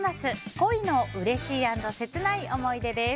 恋のうれしい＆切ない思い出です。